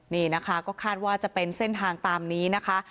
นี่นะคะก็คาดว่าจะเป็นเส้นทางตามนี้นะคะ